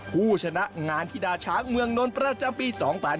ผู้ชนะงานธิดาชาเมืองนลประจำปี๒๕๖๕